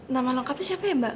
nama lengkapnya siapa ya mbak